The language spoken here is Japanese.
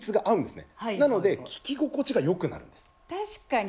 確かに。